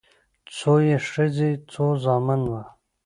څو يې ښځې څو زامن وه